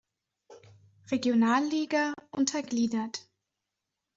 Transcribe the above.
Regionalliga untergliedert.